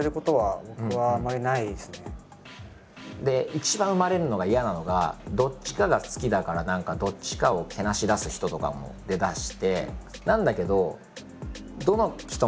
一番生まれるのが嫌なのがどっちかが好きだから何かどっちかをけなしだす人とかも出だして。